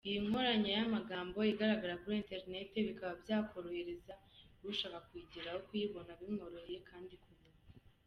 Iyi nkoranyamagambo igaragara kuri ‘internet’, bikaba byakorohereza ushaka kuyigeraho kuyibona bimworoheye kandi ku buntu.